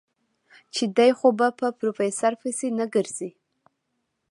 چې دی خو به په پروفيسر پسې نه ګرځي.